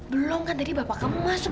belum kan tadi bapak kamu masuk